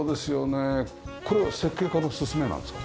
これは設計家の勧めなんですか？